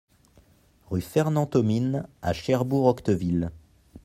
Rue Fernand Thomine à Cherbourg-Octeville